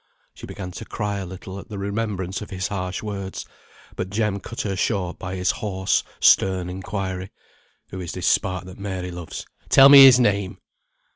She began to cry a little at the remembrance of his harsh words; but Jem cut her short by his hoarse, stern inquiry, "Who is this spark that Mary loves? Tell me his name!"